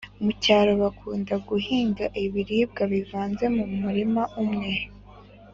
Mucyaro bakunda guhinga ibiribwa bivanze mumurima umwe